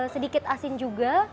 sedikit asin juga